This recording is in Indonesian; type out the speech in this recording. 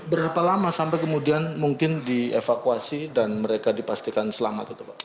berapa lama sampai kemudian mungkin dievakuasi dan mereka dipastikan selamat itu pak